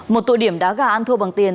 một tội điểm đá gà ăn thua bằng tiền